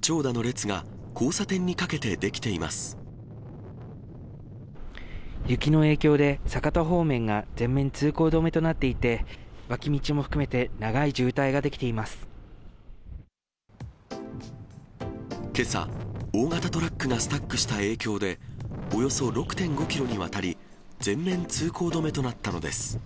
長蛇の列が交差点にかけて出来て雪の影響で、酒田方面が全面通行止めとなっていて、脇道も含めて、長い渋滞がけさ、大型トラックがスタックした影響で、およそ６．５キロにわたり、全面通行止めとなったのです。